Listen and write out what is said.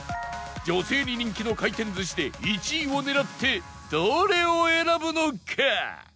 女性に人気の回転寿司で１位を狙ってどれを選ぶのか？